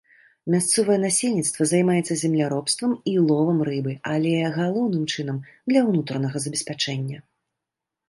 Мясцовае насельніцтва займаецца земляробствам і ловам рыбы, але, галоўным чынам, для ўнутранага забеспячэння.